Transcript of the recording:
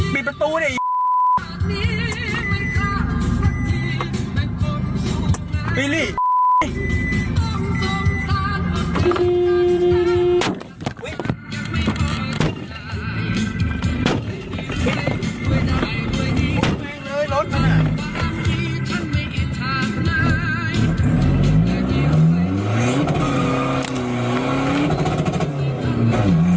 ปิดประตูด้วยเนี่ย